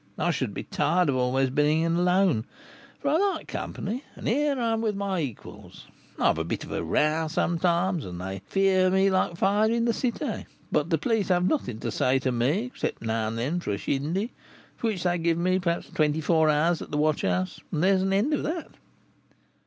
I should be tired of always being alone, for I like company, and here I am with my equals. I have a bit of a row sometimes, and they fear me like fire in the Cité; but the police have nothing to say to me, except now and then for a 'shindy,' for which they give me, perhaps, twenty four hours at the watch house, and there's an end of that."